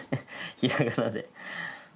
ひらがなで。